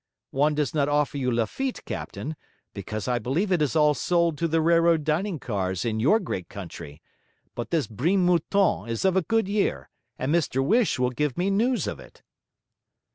One does not offer you Lafitte, captain, because I believe it is all sold to the railroad dining cars in your great country; but this Brine Mouton is of a good year, and Mr Whish will give me news of it.'